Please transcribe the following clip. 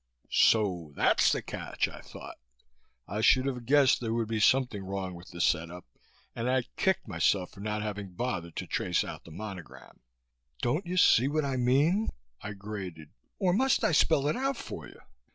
So that's the catch, I thought. I should have guessed there would be something wrong with the set up and I kicked myself for not having bothered to trace out the monogram. "Don't you see what I mean," I grated, "or must I spell it out for you?